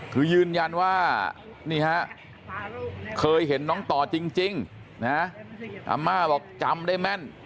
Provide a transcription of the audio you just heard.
คือยืนยันว่านี่ฮะเคยเห็นน้องต่อจริงนะอาม่าบอกจำได้แม่น